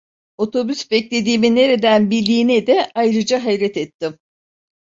Otobüs beklediğimi nereden bildiğine de ayrıca hayret ettim.